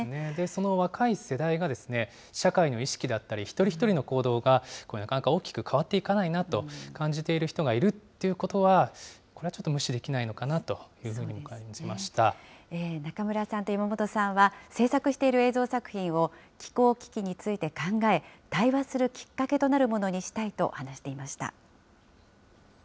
その若い世代がですね、社会の意識だったり、一人一人の行動がなかなか大きく変わっていかないなと感じている人がいるっていうことは、これはちょっと無視できないのかなとい中村さんと山本さんは制作している映像作品を、気候危機について考え、対話するきっかけとな